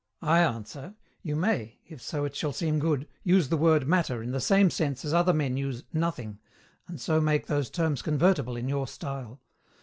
I answer, you may, if so it shall seem good, use the word "Matter" in the same sense as other men use "nothing," and so make those terms convertible in your style.